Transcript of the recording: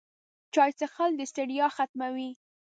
چای څښل د ستړیا ختموي